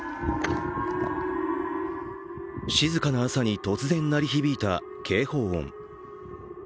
静かな朝に突然鳴り響いた警報音。